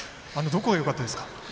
どこがよかったですか？